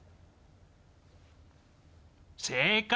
正解！